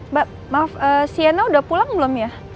mbak maaf siana udah pulang belum ya